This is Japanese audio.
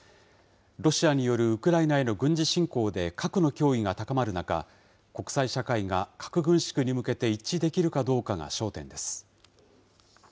ロシアによるウクライナへの軍事侵攻で、核の脅威が高まる中、国際社会が核軍縮に向けて一致できるかどうかが焦点です。